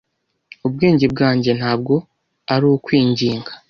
Ubwenge bwanjye ntabwo ari ukwinginga